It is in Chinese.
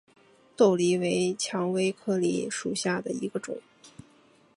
豆梨为蔷薇科梨属下的一个种。